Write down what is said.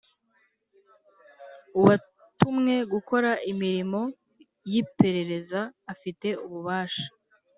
Uwatumwe gukora imirimo y’ iperereza afite ububasha